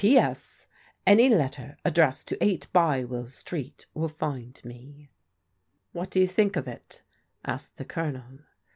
" P. S. Any letter addressed to 8 Bywell Street will find me." "What do you think of it?" asked the Colonel.